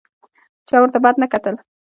چا ورته بد نه کتل.